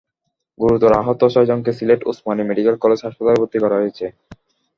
গুরুতর আহত ছয়জনকে সিলেট ওসমানী মেডিকেল কলেজ হাসপাতালে ভর্তি করা হয়েছে।